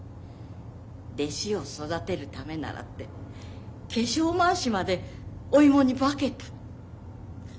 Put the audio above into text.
弟子を育てるためならって化粧まわしまでお芋に化けた。